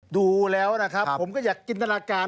ดูแล้วนะครับผมก็อยากจินตนาการ